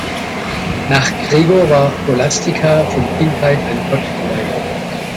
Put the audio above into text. Nach Gregor war Scholastika von Kindheit an Gott geweiht.